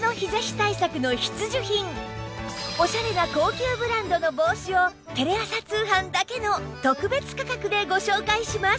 オシャレな高級ブランドの帽子をテレ朝通販だけの特別価格でご紹介します